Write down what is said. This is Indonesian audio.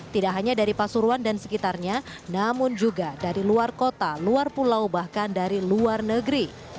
tidak hanya dari pasuruan dan sekitarnya namun juga dari luar kota luar pulau bahkan dari luar negeri